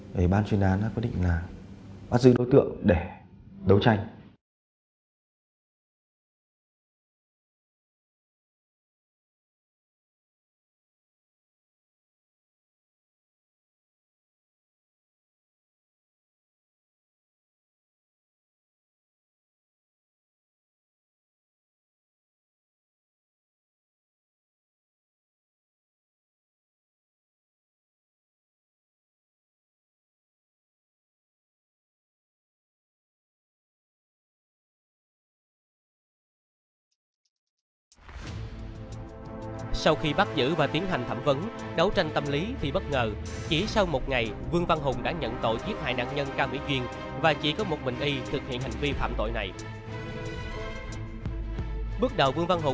thì ban chuyên án đã quyết định là bắt giữ đối tượng để đấu tranh